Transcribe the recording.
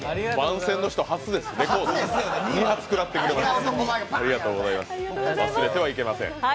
番宣の人、初です、２発くらってくれました。